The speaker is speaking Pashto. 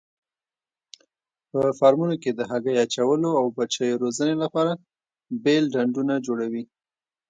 په فارمونو کې د هګۍ اچولو او بچیو روزنې لپاره بېل ډنډونه جوړوي.